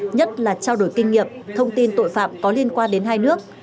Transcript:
nhất là trao đổi kinh nghiệm thông tin tội phạm có liên quan đến hai nước